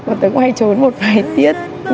hoàn tất cũng hay trốn một vài tiết